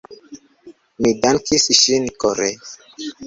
Mi dankis ŝin kore.